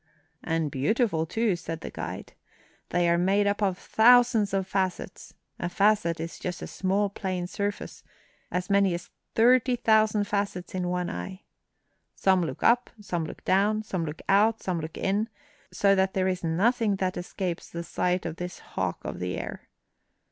"And beautiful, too," said the guide. "They are made up of thousands of facets (a facet is just a small, plain surface) as many as thirty thousand facets in one eye. Some look up, some look down, some look out, some look in; so that there is nothing that escapes the sight of this hawk of the air.